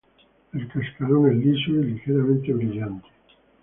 El cascarón es liso y ligeramente brillante.